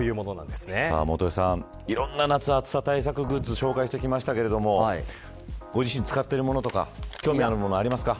元榮さん、いろんな夏の暑さ対策グッズを紹介してきましたがご自身使っているものとか興味があるものありますか。